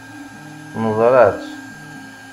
Neẓra-tt.